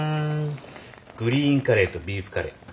グリーンカレーとビーフカレー。